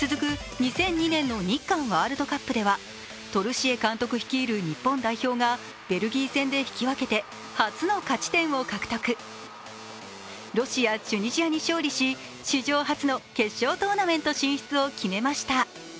２００２年の日韓ワールドカップではトルシエ監督率いる日本代表がベルギー戦で引き分けて初の勝ち点を獲得、ロシア、チュニジアに勝利し史上初の決勝トーナメント進出を決めました。